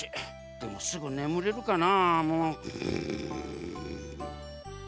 でもすぐねむれるかな。